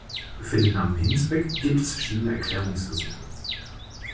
Für den Namen Hinsbeck gibt es verschiedene Erklärungsversuche.